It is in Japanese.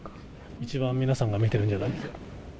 一番皆さんが見てるんじゃない？